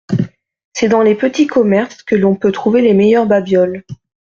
C’est dans les petits commerces que l’on peut trouver les meilleurs babioles.